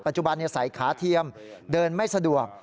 จุบันใส่ขาเทียมเดินไม่สะดวก